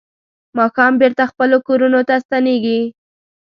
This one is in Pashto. ماښام بېرته خپلو کورونو ته ستنېږي.